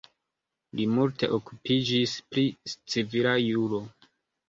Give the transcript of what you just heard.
Li multe okupiĝis pri civila juro.